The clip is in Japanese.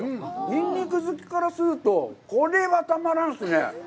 ニンニク好きからすると、これは、たまらんっすね。